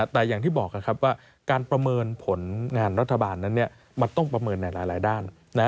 แต่อย่างที่บอกว่าการประเมินผลงานรัฐบาลนั้นมันต้องประเมินในหลายด้าน